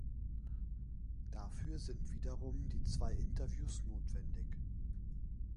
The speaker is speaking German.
Dafür sind wiederum die zwei Interviews notwendig.